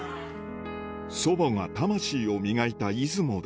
祖母が魂を磨いた出雲で